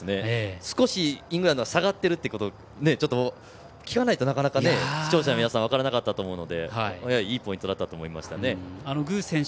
少しイングランドが下がっているということはなかなかね、視聴者の皆さんは分からなかったと思うのでいいポイントだったと思いましたね。